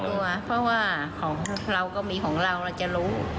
กลัวเพราะว่าของเราก็มีของเราเราจะรู้